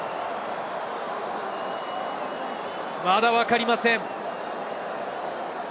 まだわかりません。